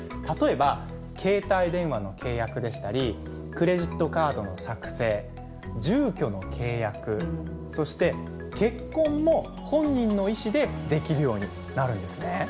例えば携帯電話の契約でしたりクレジットカードの作成住居の契約そして結婚も本人の意思でできるようになるんですね。